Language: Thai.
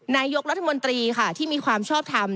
นายกรัฐมนตรีค่ะที่มีความชอบทำ